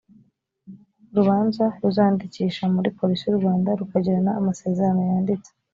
urubanza ruzandikisha muri polisi y’u rwanda rukagirana amasezerano yanditse